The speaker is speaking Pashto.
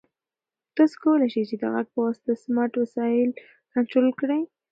تاسو کولای شئ چې د غږ په واسطه سمارټ وسایل کنټرول کړئ.